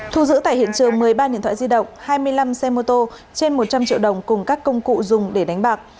thu giữ tại hiện trường một mươi ba điện thoại di động hai mươi năm xe mô tô trên một trăm linh triệu đồng cùng các công cụ dùng để đánh bạc